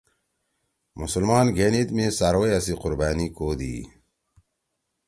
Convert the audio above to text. مسلمان گھین عید می څاروئیا سی قُربأنی کودی۔